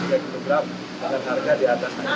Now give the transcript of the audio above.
dengan harga di atas